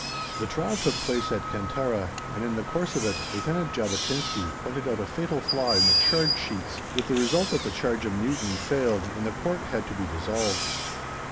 The trial took place at Kantara, and, in the course of it, Lieutenant Jabotinsky pointed out a fatal flaw in the charge sheets, with the result that the charge of mutiny failed, and the Court had to be dissolved.